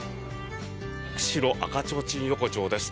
釧路赤ちょうちん横丁です。